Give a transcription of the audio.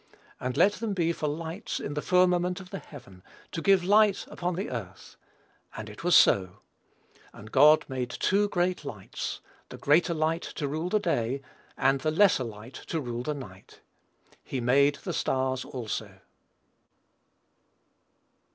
And let them be for lights in the firmament of the heaven, to give light upon the earth: and it was so. And God made two great lights; the greater light to rule the day, and the lesser light to rule the night: he made the stars also."